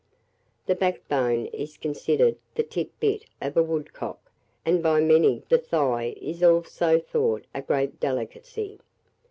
The backbone is considered the tit bit of a woodcock, and by many the thigh is also thought a great delicacy.